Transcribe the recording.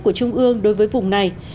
của trung ương đối với vùng này